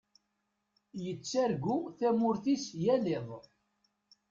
Yettargu tamurt-is yal iḍ.